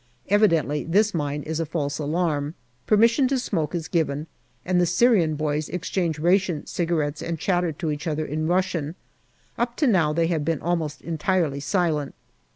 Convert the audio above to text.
Evidently this mine is a false alarm. Permission to smoke is given, and the Syrian boys exchange ration cigarettes and chatter to each other in Russian. Up to now they had been almost entirely silent.